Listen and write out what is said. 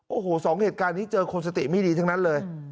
โอ้โหสองเหตุการณ์นี้เจอคนสติไม่ดีทั้งนั้นเลย